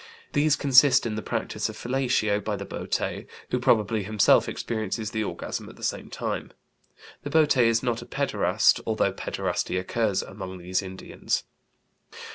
These consist in the practice of fellatio by the boté, who probably himself experiences the orgasm at the same time. The boté is not a pederast, although pederasty occurs among these Indians.